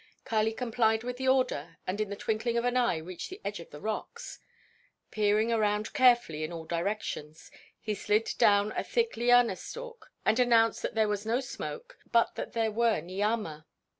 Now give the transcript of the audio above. Kali complied with the order and in the twinkling of an eye reached the edge of the rocks. Peering around carefully in all directions he slid down a thick liana stalk and announced that there was no smoke, but that there were "niama."